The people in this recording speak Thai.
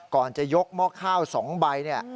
ก่อนจะยกหม้อข้าว๒ใบ